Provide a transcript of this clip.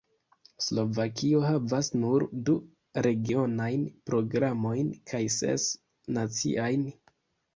Slovakio havas nur du regionajn programojn kaj ses naciajn.